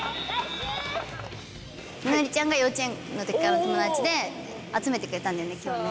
みのりちゃんが幼稚園の時からの友達で集めてくれたんだよね今日ね。